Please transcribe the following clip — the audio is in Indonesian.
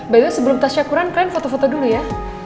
by the way sebelum tas cakuran kalian foto foto dulu ya